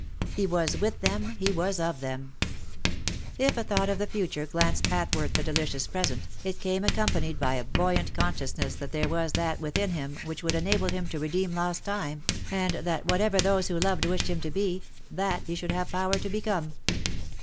He was with them, he was of them. If a thought of the future glanced athwart the delicious present, it came accompanied by a buoyant consciousness that there was that within him which would enable him to redeem lost time, and that whatever those he loved wished him to be, that he should have power to be come.